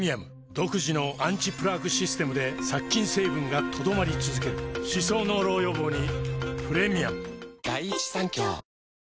独自のアンチプラークシステムで殺菌成分が留まり続ける歯槽膿漏予防にプレミアム